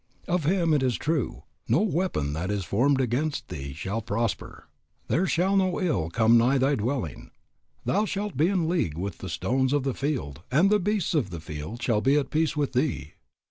Of him it is true, "No weapon that is formed against thee shall prosper;" "There shall no ill come nigh thy dwelling;" "Thou shalt be in league with the stones of the field, and the beasts of the field shall be at peace with thee."